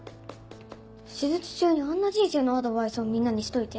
手術中にあんな人生のアドバイスをみんなにしといて？